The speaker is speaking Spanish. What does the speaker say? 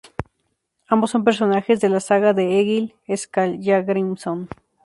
Ambos son personajes de la "saga de Egil Skallagrímson".